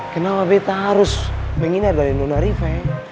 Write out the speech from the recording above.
kenapa bete harus menghindar dari nona riva ya